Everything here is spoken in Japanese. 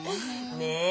ねえ。